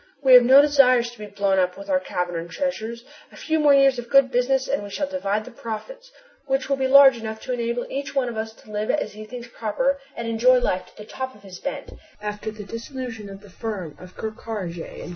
We have no desire to be blown up with our cavern and treasures! A few more years of good business and we shall divide the profits, which will be large enough to enable each one of us to live as he thinks proper and enjoy life to the top of his bent after the dissolution of the firm of Ker Karraje and Co.